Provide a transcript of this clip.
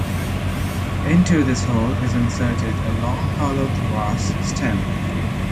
Into this hole is inserted a long hollow grass stem.